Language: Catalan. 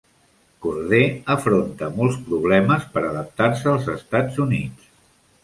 Corday afronta molts problemes per adaptar-se als Estats Units.